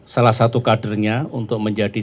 salah satu kadernya untuk menjadi